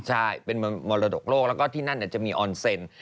ใช่เป็นเมืองมรดกโลกแล้วก็ที่นั่นเนี่ยจะมีออนเซ็น